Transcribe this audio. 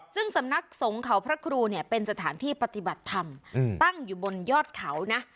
ซึ่งสำนักสงฆ์เขาพระครูเนี่ยเป็นสถานที่ปฏิบัติธรรมตั้งอยู่บนยอดเขานะ